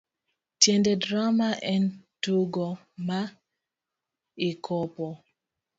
Tiend drama en tugo ma ikopo.